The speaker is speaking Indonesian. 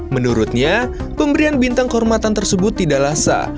menurutnya pemberian bintang kehormatan tersebut tidak lasa